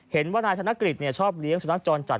เห็นว่านายธนกฤษชอบเลี้ยงสุนัขจรจัด